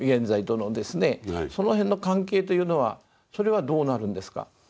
その辺の関係というのはそれはどうなるんですか。